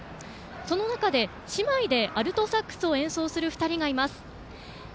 その中で姉妹でアルトサックスを演奏する２人がいます。